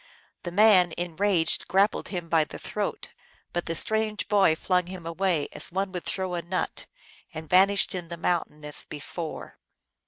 The man, enraged, grappled him by the throat, but the strange boy flung him away as one would throw a nut, and vanished in the mountain as before.